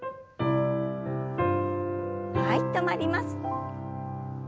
はい止まります。